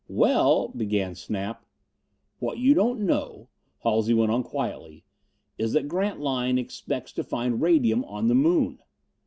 "Well " began Snap. "What you don't know," Halsey went on quietly, "is that Grantline expects to find radium on the Moon."